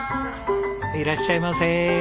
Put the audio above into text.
いらっしゃいませ。